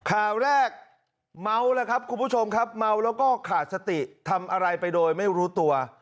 ข่าวแรกเมาแล้วครับคุณผู้ชมครับเมาแล้วก็ขาดสติทำอะไรไปโดยไม่รู้ตัว